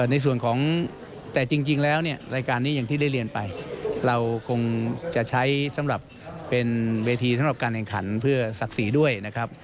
ในส่วนของแต่จริงแล้วเนี่ยรายการนี้อย่างที่ได้เรียนไปเราคงจะใช้สำหรับเป็นเวทีสำหรับการแข่งขันเพื่อศักดิ์ศรีด้วยนะครับ